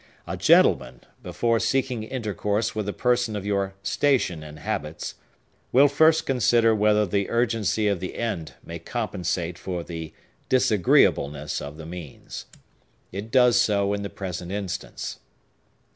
A gentleman, before seeking intercourse with a person of your station and habits, will first consider whether the urgency of the end may compensate for the disagreeableness of the means. It does so in the present instance."